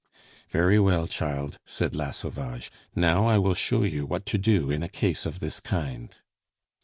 "Very well, child," said La Sauvage; "now I will show you what to do in a case of this kind."